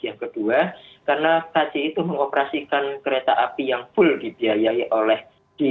yang kedua karena kci itu mengoperasikan kereta api yang full dibiayai oleh di